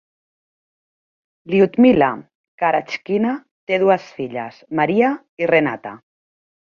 Lyudmila Karachkina té dues filles, Maria i Renata.